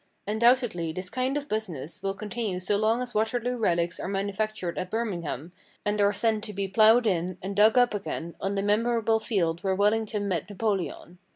Undoubtedly this kind of business will continue so long as Waterloo relics are manufactured at Birmingham, and are sent to be plowed in and dug up again on the memorable field where Wellington met Napoleon.